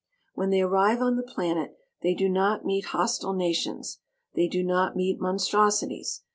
When they arrive on the planet they do not meet hostile nations. They do not meet monstrosities.